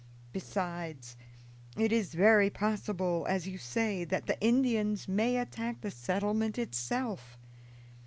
Besides, it is very possible, as you say, that the Indians may attack the settlement itself.